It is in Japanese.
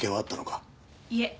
いえ。